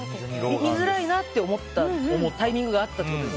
見づらいなと思ったタイミングが思った。